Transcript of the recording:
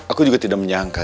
aku juga tidak menyangka